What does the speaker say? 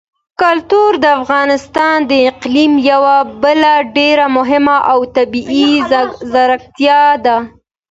کلتور د افغانستان د اقلیم یوه بله ډېره مهمه او طبیعي ځانګړتیا ده.